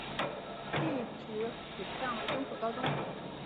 技职取向为综合高中。